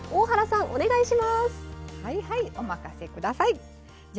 はい。